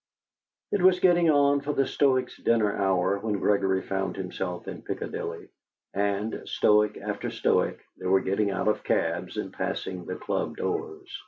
It was getting on for the Stoics' dinner hour when Gregory found himself in Piccadilly, and, Stoic after Stoic, they were getting out of cabs and passing the club doors.